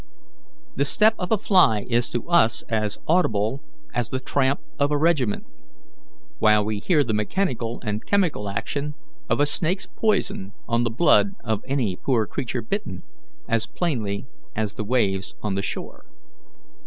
The step of a fly is to us as audible as the tramp of a regiment, while we hear the mechanical and chemical action of a snake's poison on the blood of any poor creature bitten, as plainly as the waves on the shore.